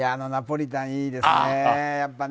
ナポリタン、いいですね。